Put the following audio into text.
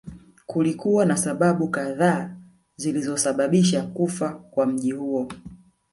Kulikuwa na sababu kadhaa zilizosababisha kufa kwa mji huo